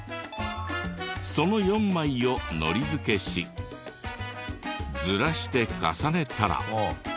その４枚をのり付けしずらして重ねたら。